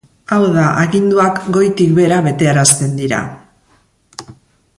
Hau da aginduak goitik bera betearazten dira.